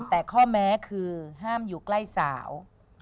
แต่ข้อแม้คือห้ามอยู่ใกล้สาว